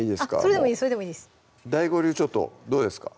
これでもいいですかＤＡＩＧＯ流ちょっとどうですか？